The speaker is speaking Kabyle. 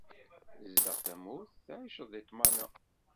Sdeɣ tamurt tɛiceḍ di ṭṭmana.